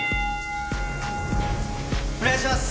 お願いします！